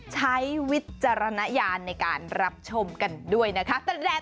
ใช้วิจารณญาณในการรับชมกันด้วยนะคะ